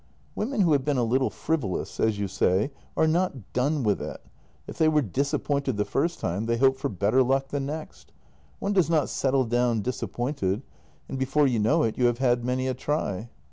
" Women who have been a little frivolous, as you say, are not done with it. If they were disappointed the first time, they hope for better luck the next. One does not settle down disappointed, and before you know it you have had many a try."